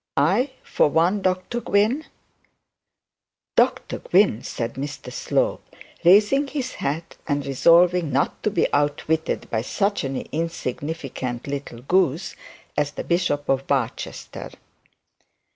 I, for one, Dr Gwynne ' 'Dr Gwynne,' said Mr Slope, raising his hat, and resolving not to be outwitted by such an insignificant little goose as the bishop of Barchester.